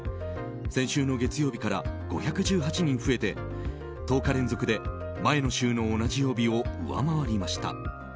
先週の月曜日から５１８人増えて１０日連続で前の週の同じ曜日を上回りました。